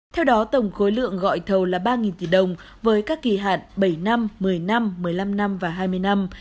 theo đó tổng khối lượng gọi thầu là ba tỷ đồng với các kỳ hạn bảy năm một mươi năm một mươi năm năm và hai mươi năm